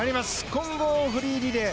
混合フリーリレー